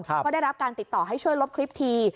ก็ได้รับการติดต่อให้ช่วยลบคลิปที